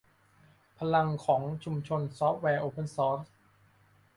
พลังของชุมชนซอฟต์แวร์โอเพนซอร์ส